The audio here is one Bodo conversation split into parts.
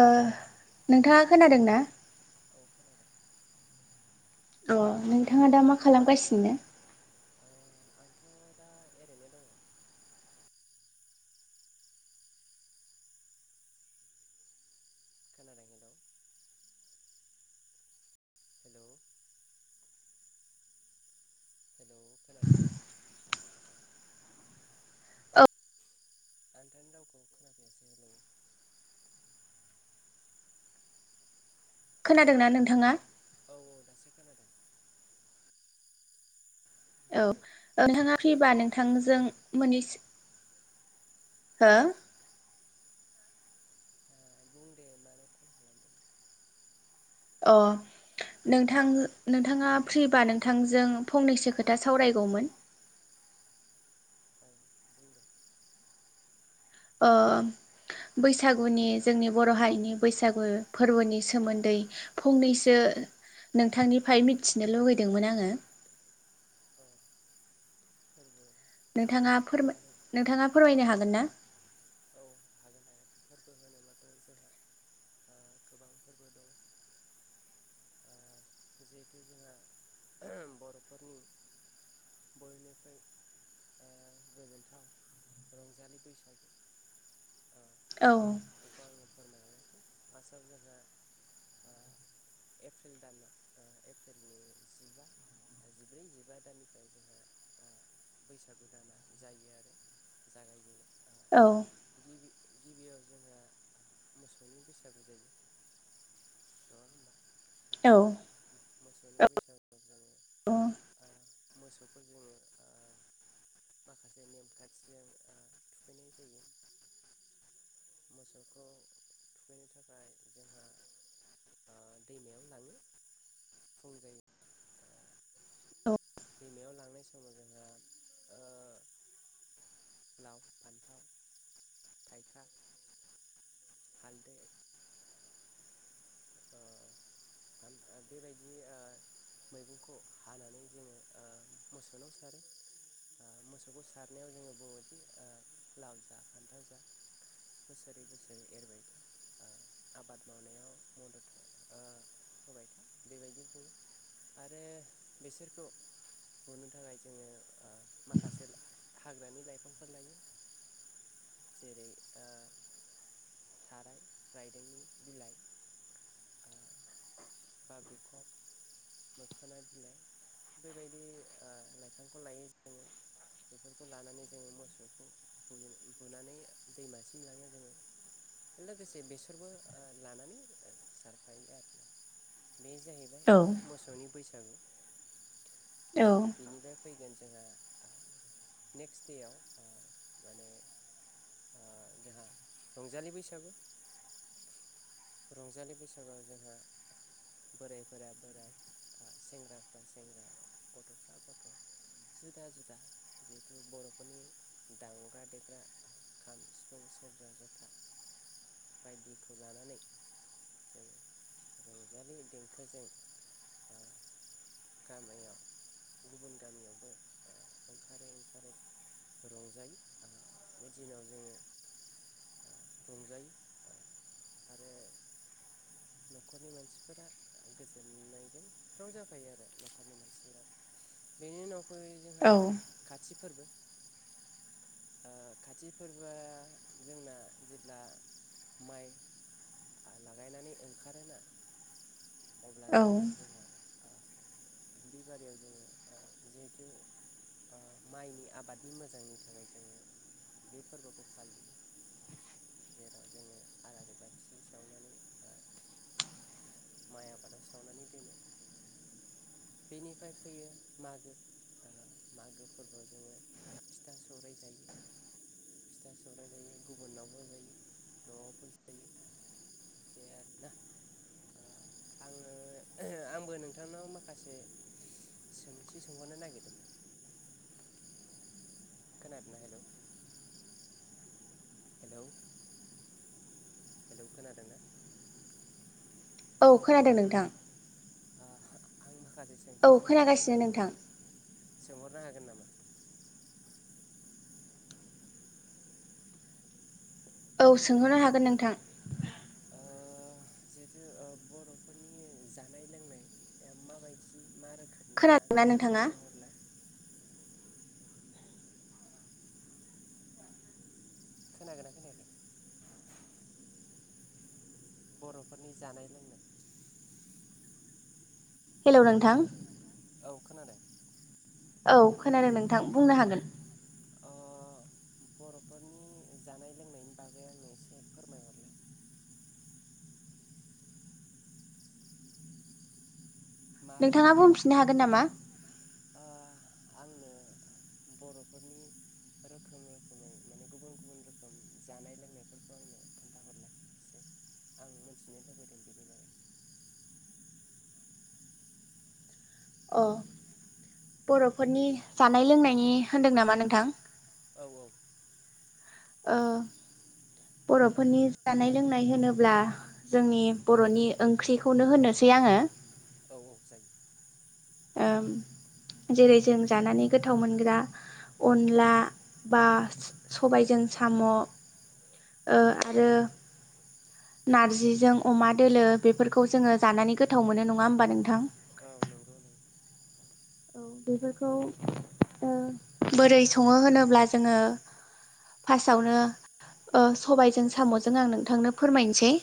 ओ नोंथाङा खोनादों ना? औ खोनादों अ नोंथाङा दा मा खालामगासिनो? आंथ' दा ओरैनो दङ। हेलौ खोनादों ना? आं नोंथांनि रावखौ खोना फैयासै हेलौ खोनादोंना नोंथाङा? औ ओ नोंथाङा फ्रिबा नोंथांजों मोननैसो हो ओ बुं दे मानो कल खालामदोंमोन? अ नोंथां नोंथाङा फ्रिबा नोंथांजों फंनैसो खोथा सावरायगौमोन। औ बुं दे ओ बैसागुनि जोंनि बर' हारिनि बैसागु फोरबोनि सोमोन्दै फंनैसो नोंथांनिफ्राय मिथिनो लुुबैदोंमोन आङो। फोरबो नोंथाङा फोरमाय नोंथाङा फोरमायनो हागोन ना? फोरबो होनोबाथ' जोंहा ओ गोबां फोरबो दं। ओ जिहेथु जोंहा बर'फोरनि बयनिख्रुइ ओ गोजोनथाव रंजालि बैसागु ओ औ फोरमायहै फार्सआव जोंहा ओ एक एप्रिल दानाव ओ एप्रिलनि जिबा जिब्रै जिबा दाननिफ्राय जोंहा ओ बैसागु दाना जायो आरो जागायजेननो औ गिबियाव जोंहा मोसौनि बैसागु जायो नङा होमबा? ओ मोसौनि बैसागुआव जोङो ओ मोसौखौ जोङो ओ माखासे नेमखान्थिजों ओ थुखैनाय जायो मोसौखौ थुखैनो थाखाय जोंहा ओ दैमायाव लाङो फुं जायो ओ दैमायाव लांनाय समाव जोंहा ओ लाव फान्थाव थायखा हालदै ओ बेबायदि ओ मैगंखौ हानानै जोङो ओ मोसौनाव सारो ओ मोसौखौ सारनायाव जोङो बुङोदि ओ लाव जा फान्थाव जा बोसोरै बोसोरै एरबाय था ओ आबाद मावनायाव ओ होबाय था बेबायदि बुङो आरो बेसोरखौ बुनो थाखाय जोङो ओ माखासे हाग्रानि लाइफांफोर लायो जेरै ओ थाराय, रायदोंनि बिलाइ ओ बा बिखब मोखोना बिलाइ बेबायदि ओ लाइफांखौ लायो जोङो बेफोरखौ लानानै जोङो मोसौखौ बुनानै दैमा सिम लाङो जोङो। लोगोसे बेसरबो ओ लानानै सारफायो आरो ना। बे जाहैबाय मोसौनि बैसागु। ओ बिनिफ्राय फै जोंहा नेक्सट देयाव ओ माने ओ जोंहा रंजालि बैसागो रंजालि बैसागुआव जोंहा बोरायफोरा बोराय, सेंग्राफ्रा सेंग्रा, गथ'फ्रा गथ' जुदा जुदा जिहेथु बर'फोरनि दामग्रा-देग्रा खाम, सिफुं, सेरजा, जथा बायदिखौ लानानै जों रंजालि देंखोजों ओ गामियाव गुबुन गामियावबो ओ ओंखारै ओंखारै रंजायो ओ बे दिनाव जोङो रंजायो ओ आरो न'खरनि मानसिफोरा गोजोननाय जों फ्राव जाफायो आरो न'खरनि मानसिफोरा बेनि उनाव फै जोंहा खाथि फोरबो ओ खाथि फोरबोआ जोंना जेब्ला माइ लागायनानै ओंखारोना अब्ला जायो जोङो ओ दुब्लि बारियाव जोङो जिहेथु माइनि आबादनि मोजांनि थाखाय जोङो बे फोरबोखौ फालियो जेराव जोङो आलारि बाथि सावनानै माइ आबादाव सावनानै दोनो बेनिफ्राय फैयो मागो दा मागो फोरबोआव जोङो फिथा सौराइ जायो फिथा सौराइ जायो गुबुनावबो जायो नआवबो जायो। दे आरोना आ आङो आंबो नोंथांनाव माखासे सोंथि सोंहरनो नागिरदोंमोन। खोनायाखैना हेलौ हेलौ हेलौ खोनादों ना औ खोनादों नोंथां सोंथि सोंहरनो नागिरदोंमोन सोंहर नो हागोन नामा औ सोंहरनो हागोन नोंथां ओ जिहेथु ओ बर'फोरनि जानाय लोंनाय माबायदि मा रोखोम खोनादों ना नोंथाङा खोनागोना खोनाखै बरफोरनि जानाय लोंनाय हेलौ‌ नोंथां औ खोनादों औ खोनादों नोंथां बुंनो हागोन अ बरफोरनि जानाय लोंनायनि बागै आंनो एसे फोरमाय हरलाय नोंथाङा बुंफिननो हागोन नामा आ आंनो बरफोरनि रोखोम रोखोमै माने गुबुन गुबुन रोखोम जानाय लोंनायफोरखौ आंनो खोन्थाहरला एसै आं मोनथिनो लुबैदों बेनि बागै अ बरफोरनि जानाय लोंनायनि होन्दों नामा नोंथां औ औ ओ‌ बरफोरनि जानाय लोंनाय होनोब्ला जोंनि बरनि ओंख्रिखौनो होननोसै आङो औ औ जायो ओम जेरै जों जानानै गोथाव मोनग्रा अनला बा सबायजों साम ओ आरो नारजिजों अमा दोलो बेफोरखौ जोङो जानानै गोथाव मोनो नङा होमबा नोंथां औ नंगौ नोंथां औ बेफोरखौ ओ बोरै सङो होनोब्ला जोङो फासआवनो सबायजों सामजों आं नोंथांनो फोरमायनोसै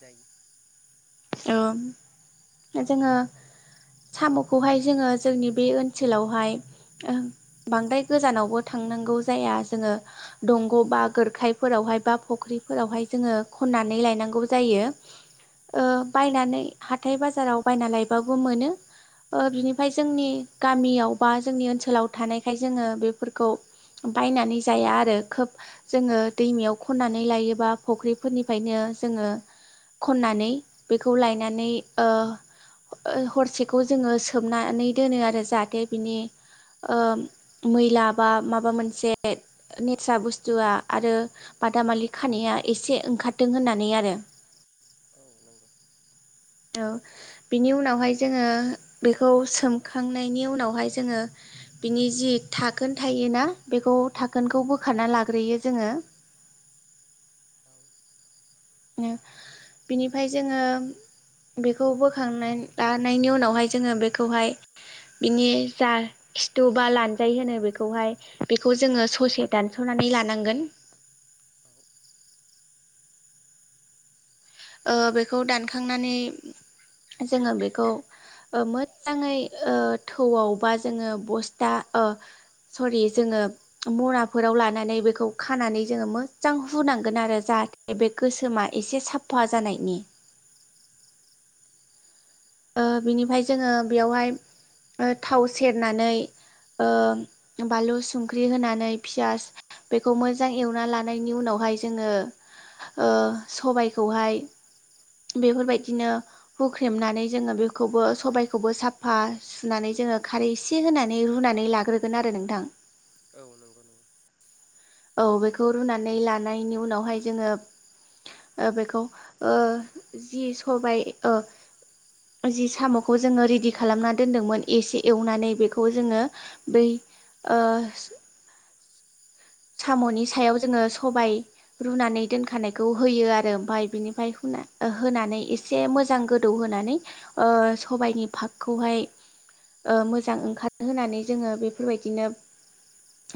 जायो ओ जोङो सामखौहाय जोङो जोंनि बे ओनसोलावहाय ओम बांद्राय गोजानावबो थांनांगौ जाया जोङो दंग बा गोरखायफोरावहाय बा फुख्रिफोरावहाय जोङो खन्नानै लायनांगौ जायो ओ बायनानै हाथाय बाजाराव बायना लायबाबो मोनो बिनिफ्राय जोंनि गामियाव बा जोंनि ओनसोलाव थानायखाय जोङो बेफोरखौ बायनानै जाया आरो खोब जोङो दैमायाव खननानै लायोबा फख्रिफोरनिफ्रायनो जोङो खननानै बेखौ लायनानै ओ हरसेखौ जोङो सोबनानै दोनो आरो जाहाथे बिनि मैला बा माबा मोनसे नेथ्रा बुस्थुआ आरो बादामालि खानाया एसे ओंखारदों होननानै आरो औ बिनि उनावहाय जोङो बेखौ सोमखांनायनि उनावहाय जोङो बिनि जि थाखोन थायोना बेखौ थाखोनखौ बोखारना लाग्रोयो जोङो बिनिफ्राय जोङो बेखौ बोखांनानै लानायनि उनावहाय जोङो बेखौहाय बिनि जा खिथु बा लानजाय होनो बेखौहाय बेखौ जोङो ससे दानसनानै लानांगोन ओ बेखौ दानखांनानै जोङो बेखौ मोजाङै थौआव बा जोङो बस्था ओ सरि जोङो मनाफोराव लानानै बेखौ खानानै जोङो मोजां हुनांगोन आरो जाहाथे बे गोसोमा एसे साफ फहा जानायनि ओ बिनिफाय जोङो बेयावहाय ओ थाव सेरनानै ओ बानलु संख्रि होनानै पियास बेखौ मोजां एवना लानायनि उनावहाय जोङो ओ सबायखौहाय बेफोरबायदिनो हुख्रेमनानै जोङो बेखौबो सबायखौबो साफा सुनानै जोङो खारै एसे होनानै रुनानै लाग्रोगोन आरो नोंथां औ नंगौ नंगौ औ बेखौ रुनानै लानायनि उनावहाय जोङो ओ बेखौ जि सबाय जि सामखौ जोङो रेडि खालामना दोनदोंमोन एसे एवनानै बेखौ जोङो बै ओ सामनि सायाव जोङो सबाय रुनानै दोनखानायखौ होयो आरो ओमफफ्राय बिनिफ्राय होनानै एसे मोजां गोदौ होनोनानै ओ सबायनि फाकखौहाय मोजां ओंखार होनानै जोङो बेफोरबायदिनो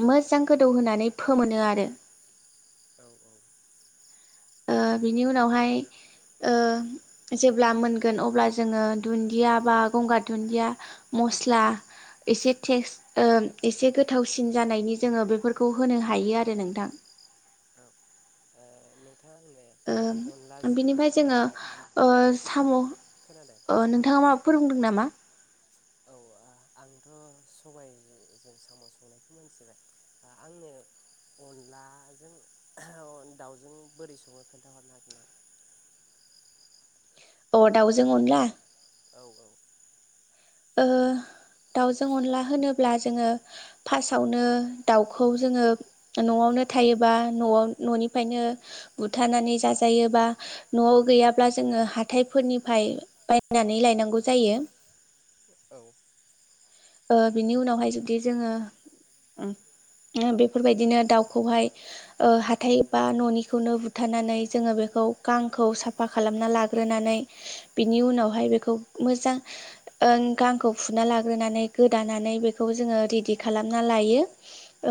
मोजां गोदौ होनानै फोमोनो आरो औ औ ओ बिनि उनावहाय ओ जेब्ला मोनगोन अब्ला जोङो दुन्दिया बा गंगार दुन्दिया मस्ला एसे टेस्ट एसे गोथावसिन जानायनि जोङो बेफोरखौ होनो हायो आरो नोंथां ओम बिनिफ्राय जोङो ओ साम' अ नोंथाङा माबा फोरोंदों नामा औ आंथ' सबायजों साम' संनायखौ मिथिबाय आंनो अनलाजों दाउजों बोरै सङो खिन्थाहरनो हागोन नामा अ दाउजों अनला औ औ ओ दाउजों अनला होनोब्ला जोङो फार्स्टआवनो दाउखौ जोङो न'आवनो थायोबा न'आव न'निफ्रायनो बुथारनानै जाजायोबा न'आव गैयाब्ला जोङो हाथायफोरनिफ्राय बायनानै लायनांगौ जायो ओ बिनि उनावहाय जुदि जोङो बेफोरबायदिनो दाउखौहाय हाथाय बा न'निखौनो बुथारनानै जोङो बेखौ गांखौ साफा खालामना लाग्रोनानै बिनि उनावहाय बेखौ मोजां गांखौ फुना लाग्रोनानै गोदानानै बेखौ जोङो रेडि खालामना लायो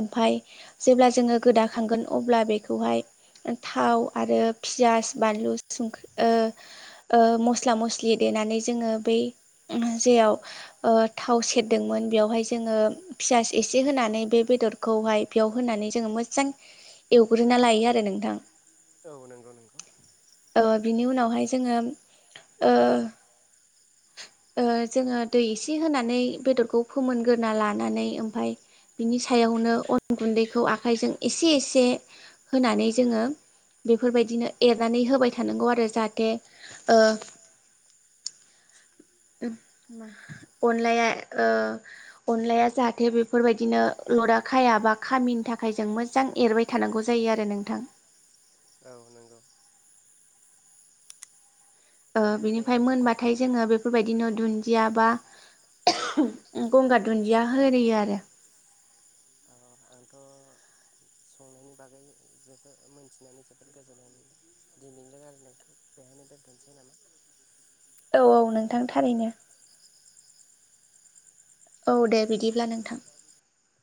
ओमफफ्राय जेब्ला जोङो गोदाखांगोन अब्ला बेखौहाय थाव आरो पियास बानलु संख्रि मस्ला मस्लि देनानै जोङो बै जेयाव थाव सेर होदोंमोन बेयावहाय जोङो फियास एसे होनानै बे बेदरखौहाय बेयाव होनानै जोङो मोजां एवग्रोना लायो आरो नोंथां औ नंगौ नंगौ बिनि उनावहाय जोङो ओ जोङो दै एसे होनानै बेदर खौ फोमोनग्रोरोना लानानै ओमफ्राय बिनि सायावनो अन गुन्दैखौ आखाइजों एसे एसे होनानै जोङो बेफोरबायदिनो एरनानै होबाय थानांगौ आरो जाहाथे ओ अनलाया ओ अनलाया जाहाथे बेफोरबायदिनो लदा खायाबा खामैनि थाखाय जों मोजां एरबाय थानांगौ जायो आरो नोंथां औ नंगौ ओ बिनिफ्राय मोनबाथाय जोङो बे बेफोरबायदिनो दुन्दिया बा गंगार दुन्दिया होयो आरो। थ' संनायनि बागै जोबो मोनथिनानै जोबोद गोजोननाय मोनदों दिनैनि रायालायनायखौ बेहायनो दोनथोनसै नामा? औ औ नोंथां थारैनो। औ दे बिदिब्ला नोंथां।